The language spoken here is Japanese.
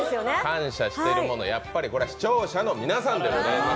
感謝してるもの、やっぱりこれは視聴者の皆さんでございます。